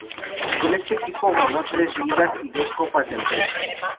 Con este equipo ganó tres Ligas y dos Copas del Rey.